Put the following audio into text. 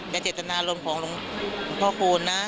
อย่าเจตนาลมของพ่อคุณนะ